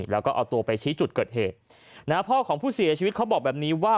แล้วก็เอาตัวไปชี้จุดเกิดเหตุนะฮะพ่อของผู้เสียชีวิตเขาบอกแบบนี้ว่า